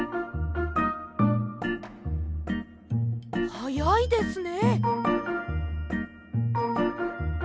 はやいですね。